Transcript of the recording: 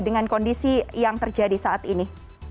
dengan kondisi yang terjadi saat ini